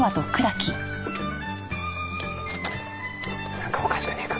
なんかおかしくねえか？